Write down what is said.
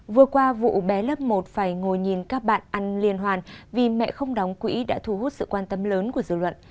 vừa qua vụ bé lớp một phải ngồi nhìn các bạn ăn liên hoàn vì mẹ không đóng quỹ đã thu hút sự quan tâm lớn của dư luận